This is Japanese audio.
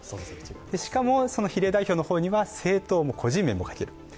しかも、比例代表には政党も個人名も書ける。